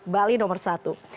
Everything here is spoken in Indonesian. bali nomor satu